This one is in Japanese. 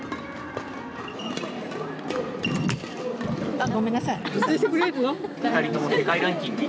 あっごめんなさい。